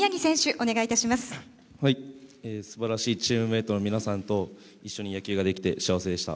すばらしいチームメイトの皆さんと一緒に野球ができて幸せでした。